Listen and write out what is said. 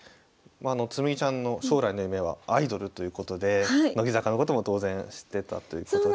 まああの紬ちゃんの将来の夢はアイドルということで乃木坂のことも当然知ってたということで。